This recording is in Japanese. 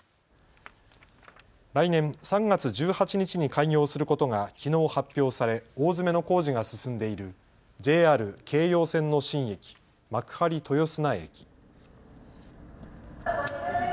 来年３月１８日に開業することがきのう発表され大詰めの工事が進んでいるＪＲ京葉線の新駅、幕張豊砂駅。